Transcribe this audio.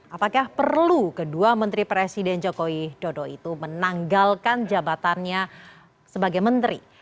apakah perlu kedua menteri presiden jokowi dodo itu menanggalkan jabatannya sebagai menteri